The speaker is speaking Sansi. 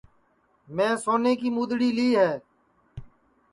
میں سونے کی مُدؔڑی لی ہے